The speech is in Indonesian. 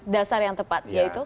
dasar yang tepat yaitu